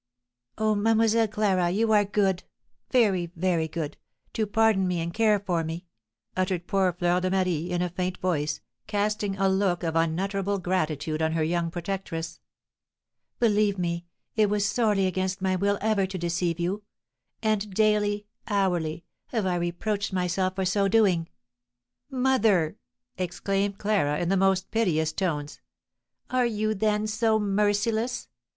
"Oh, Mlle. Clara, you are good very, very good to pardon me and care for me," uttered poor Fleur de Marie, in a faint voice, casting a look of unutterable gratitude on her young protectress. "Believe me, it was sorely against my will ever to deceive you; and daily, hourly, have I reproached myself for so doing." "Mother," exclaimed Clara, in the most piteous tones, "are you then so merciless?